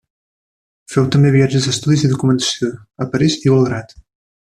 Féu també viatges d'estudis i documentació a París i Belgrad.